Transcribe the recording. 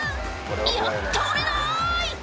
「いや倒れない！」